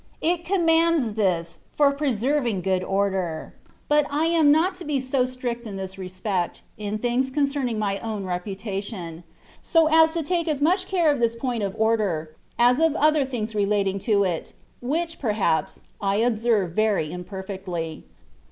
It commands this^ for preserving good order ; but I am not to be so strict in this respect^ in things concerning my own reputation^ so as to take as much care of this pomt of order^ as of other things relating to it^ which, perhaps, I observe very imperfectly.